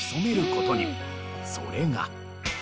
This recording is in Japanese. それが。